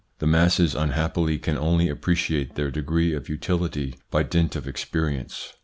The masses unhappily can only appreciate their degree of utility by dint of experience.